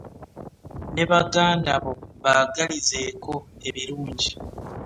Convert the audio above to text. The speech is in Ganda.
Ne baganda bo baagalizeeko ebirungi.